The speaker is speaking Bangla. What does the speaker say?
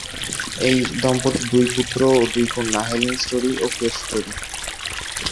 এই দম্পতির দুই পুত্র ও দুই কন্যা, হেলেন স্টোরি ও কেট স্টোরি।